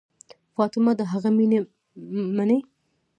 فاطمه د هغه مینه مني.